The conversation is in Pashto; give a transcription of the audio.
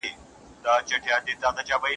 ورو ورو ورزش زیات کړئ.